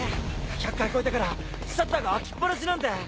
１００階越えてからシャッターが開きっ放しなんて。